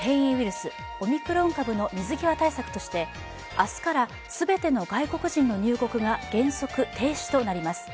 スオミクロン株の水際対策として明日から全ての外国人の入国が原則停止となります。